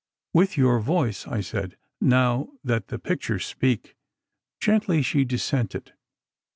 "With your voice," I said, "now that the pictures speak——" Gently she dissented.